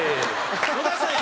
野田さん